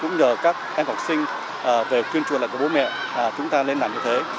và đồng thời là cũng nhờ các em học sinh về tuyên truyền lại của bố mẹ chúng ta lên làm như thế